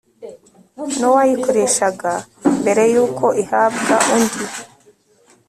n uwayikoreshaga mbere y uko ihabwa undi